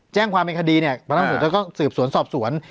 แจ้งความเป็นคดีเนี่ยพนักงานสอบสวนก็สืบสวนสอบสวน